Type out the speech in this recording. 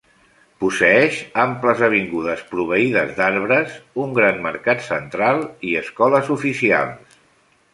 Posseeix amples avingudes proveïdes d'arbres, un gran mercat central, i escoles oficials.